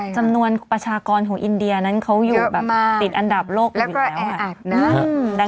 จำนวนประชากรของอินเดียนั้นเขาอยู่แบบติดอันดับโลกแล้วก็แออัดนะ